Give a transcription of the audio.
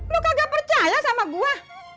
lo kagak percaya sama gua